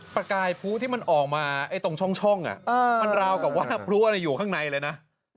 ประกายพลุที่มันออกมาตรงช่องมันราวกับว่าพลุอะไรอยู่ข้างในเลยนะ